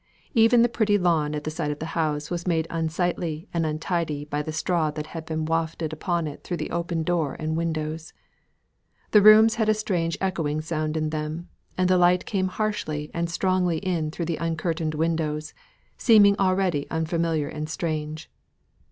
Even the pretty lawn at the side of the house, was made unsightly and untidy by the straw that had been wafted upon it through the open door and windows. The rooms had a strange echoing sound in them, and the light came harshly and strongly in through the uncurtained windows, seeming already unfamiliar and strange.